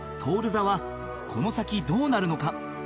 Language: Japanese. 座はこの先どうなるのか？